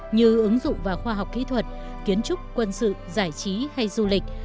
như ứng dụng và khoa học kỹ thuật kiến trúc quân sự giải trí hay du lịch